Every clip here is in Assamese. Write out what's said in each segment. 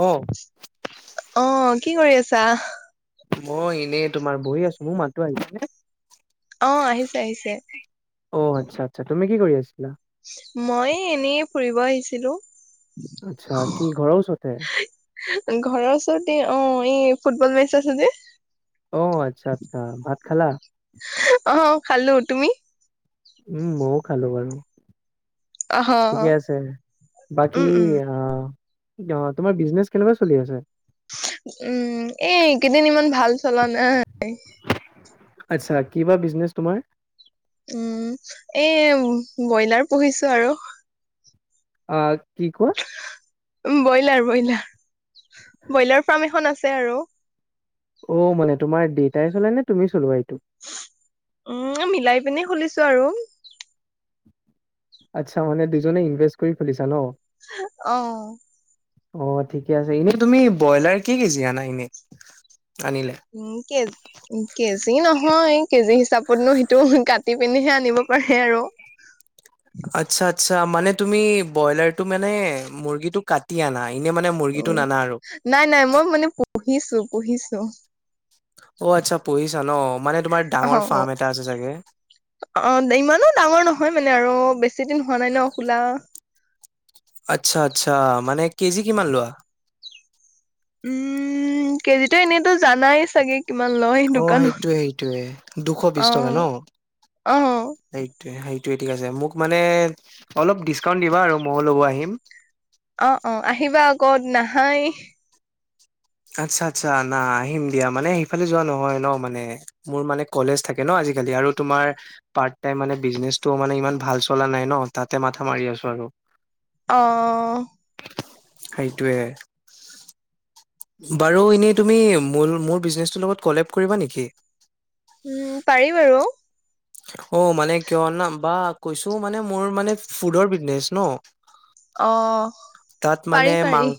অ' অ' কি কৰি আছা? মই এনেই তোমাৰ বহি আছো, মোৰ মাতো আহিছে নে? অ' আহিছে আহিছে। অহ আচ্ছা আচ্ছা, তুমি কি কৰি আছিলা? মই এনেই ফুৰিব আহিছিলোঁ। আচ্ছা কি ঘৰৰ ওচৰতে। ঘৰৰ ওচতে অ, এই ফুটবল মেচ আছে যে। অ, আচ্ছা, আচ্ছা ভাত খালা? অ, খালো তুমি? উম, ময়ও খালো বাৰু অ ঠিকে আছে বাকী উম উম অ', অ', তোমাৰ বিজনেচ কেনেকবা চলি আছে। উম, এই কেইদিন ইমান ভাল চলান। আচ্ছা কিবা বিজনেছ তোমাৰ? উম, এই বইলাৰ পুহিছো আৰু। অ, কি কোৱা? বইলাৰ, ব্ৰইলাৰ, ব্ৰইলাৰ ফাৰ্ম এখন আছে আৰু। অ, মানে তোমাৰ দেউতাই চলে নে তুমি চলোৱা এইটো। উম, মিলাই পিনে খুলিছো আৰু। আচ্ছা মানে দুজনে ইনভেষ্ট কৰি খেলুলিছা ন। অ'। অ, ঠিকে আছে এনে তুমি ব্ৰইলাৰ কি কেজি আনা এনেই আনিলে। ইংকে কেজি নহয় কেজি হিচাপতনো সেইটো কাটি পিনিহে আনিব পাৰে আৰু। আচ্ছা, আচ্ছা মানে তুমি ব্ৰইলাৰটো মানে মুৰ্গীটো কাটি আনা এনে মানে। উ, মুৰ্গীটো নানা আৰু। নাই, নাই মই মানে পঢ়িছো, পঢ়িছো। অ, আচ্ছা পঢ়িছা ন মানে তোমাৰ অ ডাঙৰ অ ফাৰ্ম এটা আছে চাগে। অ, ইমানো ডাঙৰ নহয় মানে আৰু বেছি দিন হোৱা নাই ন খোলা। আচ্ছা, আচ্ছা মানে কেজি কিমান লোৱা? উম, কেজিতো এনেইতো জানাই চাগে। কিমান লয় অ' দোকানত সেইটোৱে, সেইটোৱে। আহ, ন? আহ। সেইটোৱে, সেইটোৱে ঠিক আছে মোক মানে অলপ ডিচকাউণ্ট দিবা আৰু মইয়ো ল'ব আহিম। অ', অ', আহিবা আকত নাহাই। আচ্ছা, আচ্ছা না আহিম দিয়া মানে সেইফালে যোৱা নহয় ন মানে। মোৰ মানে কলেজ থাকে ন আজিকালি আৰু তোমাৰ পাৰ্ট টাইম মানে বিজনেচটো মানে ইমান ভাল চলা নাই ন তাতে মাথা মাৰি আছো আৰু। অ'। সেইটোৱে। বাৰু এনেই তুমি মোৰ মোৰ বিজনেচটোৰ লগত কলেপ কৰিবা নেকি। উম, পাৰি বাৰু। অ, মানে কিয় ন বা কৈছো মানে মোৰ মানে ফুডৰ বিজনেচ ন। অ তাত পাৰি মানে পাৰি মাংস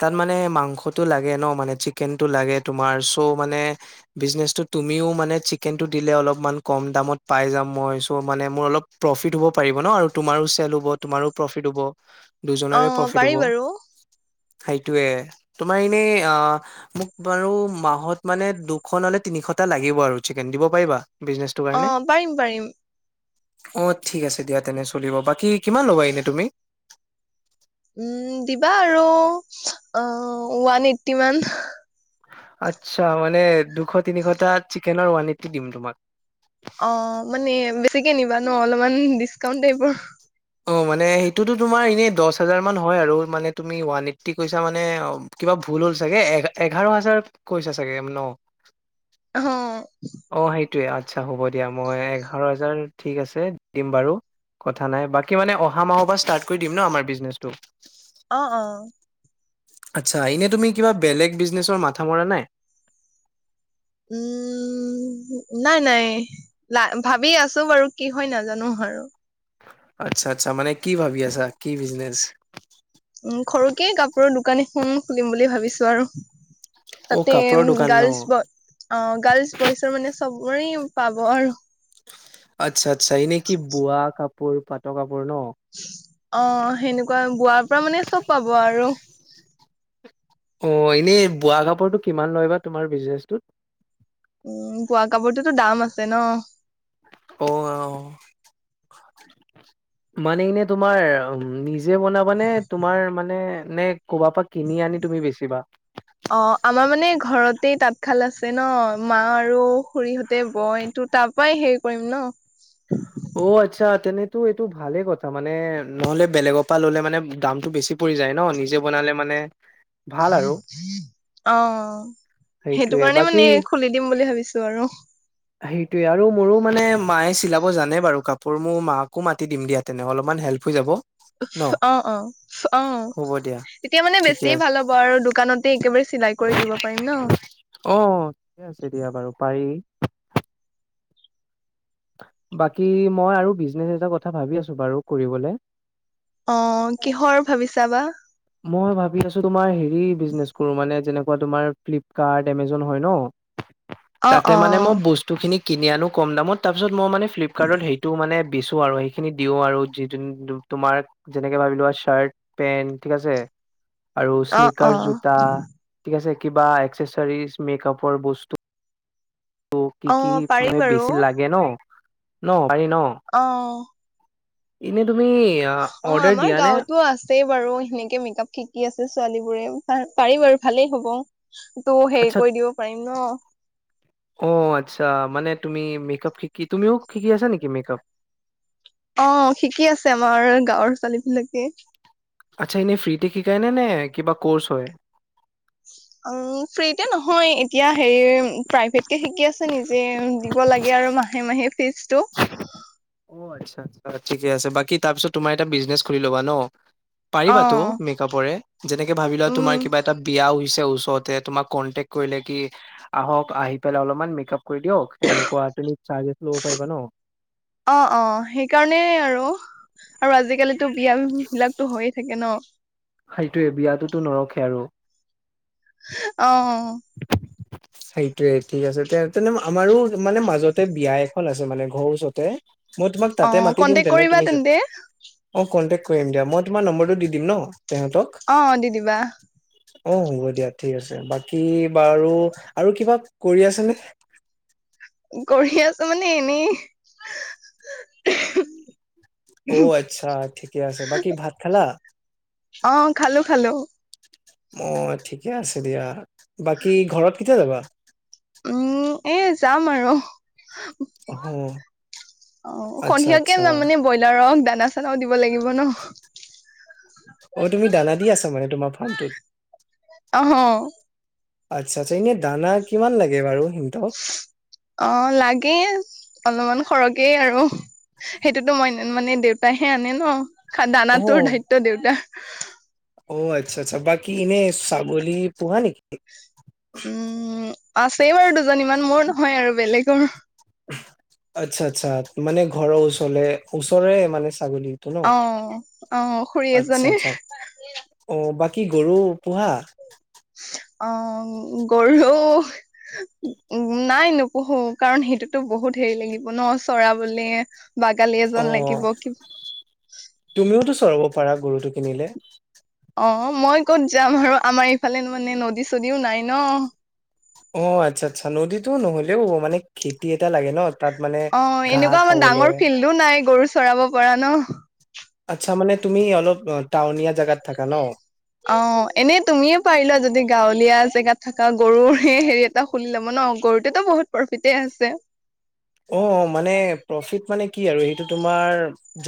তাত মানে মাংসটো লাগে ন মানে চিকেনতটো লাগে তোমাৰ চ' মানে বিজনেচটো তুমিও মানে চিকেনটো দিলে অলপমান কম দামত পাই যাম মই চ' মানে মোৰ অলপ প্ৰফিট হ'ব পাৰিব ন আৰু তোমাৰো চেল হ'ব তোমাৰো প্ৰফিট হ'ব। অ দুজনেৰে প্ৰফিট পাৰি হ'ব বাৰু সেইটয়ে তোমাৰ এনে অ'। মোক বাৰু মাহত মানে দুশ নলে তিনিশটা লাগিব আৰু চিকেন দিব পাৰিবানে। অ, পাৰিম, পাৰিম। অ, ঠিক আছে দিয়া তেনে চলিব বাকী কিমান ল'বা এনে তুমি? উম, দিবা আৰু অ, ওৱান এইট্টি মান। আচ্ছা মানে দুশ, তিনিশটা চিকেনৰ ওৱান এইট্টি দিম তোমাক। অ, মানে বেছিকে নিবা ন, অলপমান ডিচকাউণ্ট টাইপৰ। অ, মানে সেইটোতো তোমাৰ এনেই দহ হাজাৰ মান হয় আৰু মানে তুমি ওৱান এইট্টি কৈছা মানে। কিবা ভুল হ'ল চাগে এ, এঘাৰ হাজাৰ কৈছো চাগে ন। অ অ, সেই আচ্ছা হ'ব দিয়া মই এঘাৰ হাজাৰ ঠিক আছে দিম বাৰু কথা নাই বাক কি মানে অহা মাহৰ পৰা ষ্টাৰ্ট কৰি দি ন আমাৰ বিজনেছটো অ অ আচ্ছা এনে তুমি কিবা বেলেগ বিজনেছৰ মাথা মৰা নাই উম উ নাই নাই লা ভাবি আছো বাৰু কি হয় নাজানো আৰু আচ্ছা আচ্ছা মানে কি ভাবি আছা কি বিজনেচ উ সৰুকেই কাপোৰৰ দোকান এখন খুলিম বুলি ভাবিছো আৰু অ তাতে কাপোৰৰ দোকান ন? গাৰ্লছ ব অ গাৰ্লছ বইচৰ মানে চবোৰে পাব আৰু আচ্ছা আচ্ছা এনে কি বোৱা কাপোৰ পাটৰ কাপোৰ ন অ সেনেকুৱা বোৱাৰ পৰা মানে চব পাব আৰু অ এনেই বোৱা কাপোৰটো কিমান লয় বাা তোমাৰ বিজনেচত উম বোৱা কাপোৰটোতো দাম আছে ন অ অহ মানে এনে তোমাৰ নিজ নিজে বনাবানে তোমাৰ মানে নে কবাৰ পৰা কিনি আনি তুমি বেছিিবা অ আমাৰ মানে ঘৰতেই তাঁতশাল আছে ন মা আৰু খুৰীহঁতে বয়টোত তাৰ পৰাই হেৰি কৰিম ন অ আচ্ছা তেনেতটো এইটো ভালে কথা মানে নহলে বেলেগৰ পৰা ললে মানে দামতটো বেছি পৰি যায় ন নিজে বনালে মানে ভাল আৰু অ সেইটো সেইটোয়ে কাৰণে বাকী মানে খুলি দিম বুলি ভাবিছো আৰু সেইটোয়ে আৰু মোৰো মানে মায়ে চিলাব জানে বাৰু কাপোৰ মোৰ মাকো মাতি দিম দিয়াত তেনেহ অলপমান হেল্প হৈ যাব ন অ অ হ'ব অ দিয়া তেতিয়া মানে ঠিকে বেছি আছে ভাল হ'ব আৰু দোকানতে একেবাৰে চিলাই কৰি দিব পাৰিম ন অ ঠিকে আছে দিয়া বাৰু পাৰি বাকী মই আৰু বিজনেচ এটা কথা ভাবি আছো বাৰু কৰিবলে অ কিহৰ ভাবিছা বা মই ভাবি আছো তোমাৰ হেৰি বিজনেছ কৰো মানে যেনে অ অ [unintelligible] সটোখিনি কিনি আনো কম দামত তাৰপিছ মানে ফ্লিপকাৰ্টত সেইটো মানেছো আৰু সেই সেই খিনি দিও আৰু যি তোমাক যেনেকে ভাবি লোৱা চাৰ্ট পেন্ট ঠিক আছে আৰু অ স্নিক অ জোতা ঠিক আছে কিবা একসেচাৰজ মেকআপৰ বস্তু ত' কি অ কি পাৰি মানে বাৰু বেছি লাগে ন ন হাৰ ন অ এনেই তুমি অ অৰ্ডাৰ আমাৰ দিয়া নে গাঁৱতো আছে আ বাৰু সেনেকে মেক আপ শিকি আছে ছোৱালী বোৰে পাৰি বাৰু ভালেই হ'ব তো হেৰি আচ্ছা, কৰি দিব পাৰিম ন অ আচ্ছা মানেুমি মেকআপ শিকি তুমিও শিকি আছা নেকি মেকআপ অ শিকি আছে আমাৰ গাঁৱৰ ছোৱালী বিলাকে আচ্ছা এনেই ফ্ৰীিতে শিকায়নে নে কিবা ক'ৰ্চ হয় উ ফ্ৰীতে নহয় এতিয়া হেৰি প্ৰাইভেট কেে শিকি আছে নিজ দিব লাগে আৰু মাহে মাহে ফিজটো অ আচ্ছা আচ্ছা ঠিকে আছে বাকী তাৰপিছত তোমাৰ এটা বিজনে খুলি ল'বা ন অ পাৰিবাতো মেকআপৰে যেনেকে ভাবি লোৱা উম তোমাৰ কিবা এটা বিয়াছে ওচৰতে তোমাক কনটেক্ট কৰিলে কি আহক আহি পেলাই অলপমান মেক আপ কৰি দিয়ক এনেকুৱা তুমি চাৰ্জেছ লব পাৰিবা ন অ অ সেইকাৰণেই আৰু আৰু আজিকালিতো বিয়া বিলাকতো হৈয়ে থাকে ন সেইটোয়ে বিয়াতোতো নৰখে আৰু অ [unintelligible] সেইটোয়ে ঠিক আছে তে আমাৰো মানে মাজতে বিয়া এখন আছে মানে ঘৰৰ ওচতে মই তোমাক অ তাতে মাতি দিম কন্টেক তেনে কৰিবা তুমি চ তেন্তে অ কণ্টেক্ট কৰিম দিয়া মই তোমাৰ নম্বৰটো দি দিম ন তেহঁতক অ দিদিবা অ হ'ব দিয়া ঠিক আছে বাকী বাৰু আৰু কিবা কৰি আছে নে কৰি আছো মানে এনেই অ আচ্ছা ঠিকে আছে বাকী ভাত খেলা অ খালো খালো অ ঠিকে আছে দিয়া বাকী ঘৰত কেতিয়া যাবা উম এ যাম আৰু হ অ সন্ধিয় কেে মানে ব্ৰইলাৰক দানা চানাও দিব লাগিব ন অ তুমি দা দি আছ মানে তোমাৰ ফাৰ্মটোত অ আচ্ছা আচ্ছা এনে দানা কিমান লাগে বাৰু সিহঁতক অ লাগেই অলপমান সৰকে আৰু সেইটোতো মই মানে দেউতাইাহে আনে ন অ দানাটোৰ দায়িত্ব দেউতাৰ অ আচ্ছা আচ্ছা বাকি ইনে ছাগোলী পোোৱাা নেকি উম আছেই বাৰু দুজনী ইমান মোৰ নহয় আৰু বেলেগৰ আচ্ছা আচ্ছা মানে ঘৰৰ ওচৰলে ওচৰে মানে ছাগলী অ আহ খুৰী এজনীৰ আচ্ছা অ বাকী গৰু পোহা অ গৰু উ নাই নোপঢ়ো কাৰণ সেইটোতো বহুত হেৰি লাগিব ন চৰা বুলিলে বাগালী অ এজন লাগিব তুমিওতো চৰব পাৰা গুৰুতটো কিনিলে অ মই ক'ত যাম আৰু আমাৰ ইফালে মানে নদী চদীও নাই ন অ আচ্ছা আচ্ছা নদীতো নহ'লেও মানে খেতি এটা লাগে ন তাত মানে অ ঘাঁহ এনেকুৱা আমাৰ খাবলৈ ডাঙৰ ফিল্ডো নাই গৰু চৰাব পৰা ন আচ্ছা মানে তুমি অলপ অ টাউনীয়া জাগাত থাকা ন ছে অ এনেই তুমিয়ে পাৰিলা যদি গাঁৱলীয়া জেগাত থকা গৰুৰে হেৰি এটা খুলি ল'ব ন গৰুটোতে বহুত প্ৰফিতে আছে অ মানে প্ৰফিট মানে কি আৰু সেইটো তোমাৰ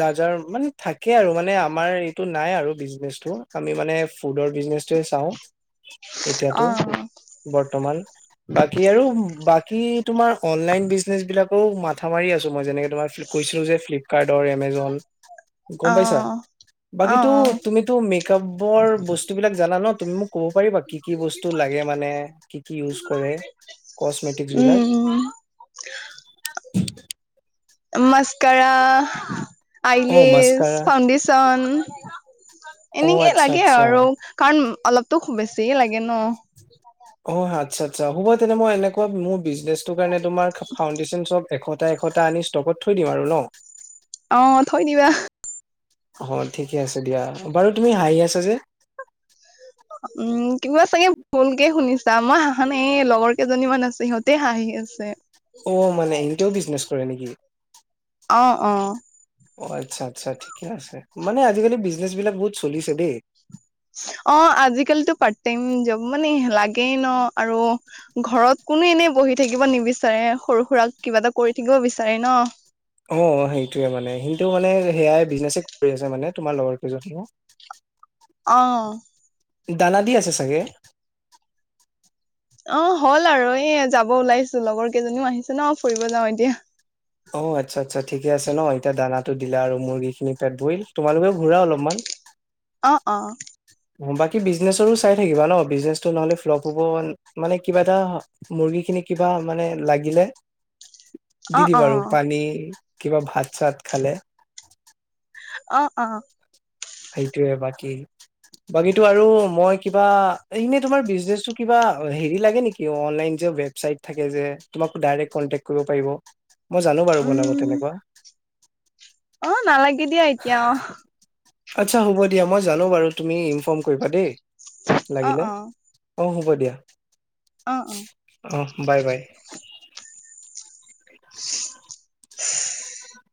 যা যাৰ মানে থাকে আৰু মানে আমাৰ এইটো নাই আৰু বিজনেচটো আমি মানে ফুডৰ বিজনেচ চাওঁ অ এতিয়াতো বৰ্তমান বাকী আৰু বাকী তোমাৰ অনলাইন বিজনেচ বিলাক আকৌ মাথা মাৰি আছো মই যেনেকে তোমাৰ কৈছো যে ফ্লিপকাৰ্টৰ, এমেজন গম অ পাইছা অ বাকীটো অ তুমিতো মেকআপৰ বস্তু বলাক জানা ন তুমিমোক কব পাৰিবা কি কি বস্তু লাগে মানে কি কি ইউজ কৰে কচমেটিকছ বিলাক উম উম [unintelligible] মাস্কাৰা, অ আইলেছ, মাস্কাৰা ফাউণ্ডেচন অ এনেকেই আচ্ছা লাগে আচ্ছা আৰু কাৰণ অলপতো বেছি লাগে ন অ আচ্ছা, আচ্ছা হ'ব তেনে মই এনেকুৱা মোৰ বিজনেছৰ কাৰণে তোমাৰ ফাউণ্ডেচন চ এশটা এশটা আনি ষ্টকত থৈ দিম আৰু ন অ থৈ দিবা অ ঠিকে আছে দিয়া বাৰু তুমি হাঁহি আছা যে উম, কিবা চাগে ভুলকে শুনিছা মই হাঁহা নাই লগৰ কেইজনীমান আছে সিহঁতে হাঁহি আছে অ', মানে এহতেও বিজনেচ কৰে নেকি? অ', অ' অ', আচ্ছা আচ্ছা, ঠিকে আছে মানে আজিকালি বিজনেচ বিলাক বহুত চলিছে দেই অ', আজিকালিতো পাৰ্ট টাইম জব মানে লাগেই ন আৰু ঘৰত কোনো এনে বহি থাকিব নিবিচাৰে সৰু সুৰাক কিবা এটা কৰি থাকিব বিচাৰে ন অ', সেইটোয়ে মানে কিন্তু মানে সেয়াই বিজনেছে কৰি আছে মানে তোমাৰ লগৰ কেইজনীও [unintelligible] অ'। দানা দি আছে চাগে অ', হল আৰু এ যাব ওলাইছো লগৰ কেইজনীও আহিছে ন ফুৰিব যাওঁ এতিয়া অ', আচ্ছা আচ্ছা, ঠিকে আছে ন এতিয়া দানাটো দিলা আৰু মুৰ্গী খিনি পেট ভৰিল তোমালোকেও ঘূৰা অলপমান অ', অ' বাকী বিজনেচৰো চাই থাকিবা ন বিজনেচটো নহলে ফ্লপ হ'ব মানে কিবা এটা মুৰ্গী খিনি কিবা মানে লাগিলে অ দি অ দিবা আৰু পানী কিবা ভাত চাত খালে অ', অ'। সেইটোৱে বাকী বাকীটো আৰু মই কিবা এনে তোমাৰ বিজনেচটো কিবা হেৰি লাগে নেকি অনলাইন যে চাইট থাকে যে তোমাক ডাইৰেক্ট কণ্টেক্ট কৰিব পাৰিব মই জানো বাৰু বনাব উম তেনেকুৱা অ', নালাগে দিয়া এতিয়া অ'। আচ্ছা হ'ব দিয়া মই জানো বাৰু তুমি ইনফৰ্ম কৰিবা দেই অ লাগিলে অ অ', হ'ব দিয়া অ', অ'। অ', বাই, বাই। [unintelligible]